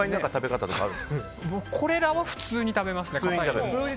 これらは普通に食べますね。